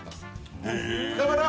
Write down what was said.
だから